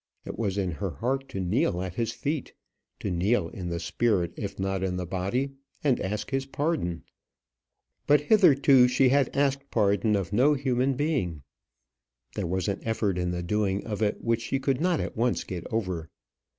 It was in her heart to kneel at his feet, to kneel in the spirit if not in the body, and ask his pardon; but hitherto she had asked pardon of no human being. There was an effort in the doing of it which she could not at once get over.